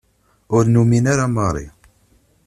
Ur numin ara Mary.